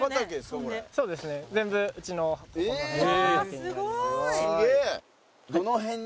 すげえ。